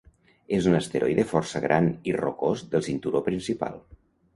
És un asteroide força gran i rocós del cinturó principal.